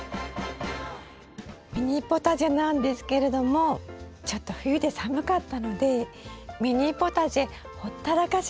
ミニポタジェなんですけれどもちょっと冬で寒かったのでミニポタジェほったらかしだったんです。